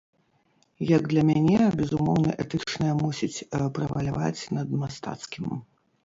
Як для мяне, безумоўна, этычнае мусіць прэваляваць над мастацкім.